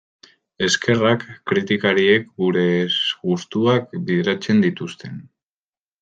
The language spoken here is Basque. Eskerrak kritikariek gure gustuak bideratzen dituzten...